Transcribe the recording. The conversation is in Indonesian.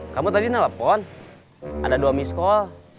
kamu tadi nelfon ada dua miss call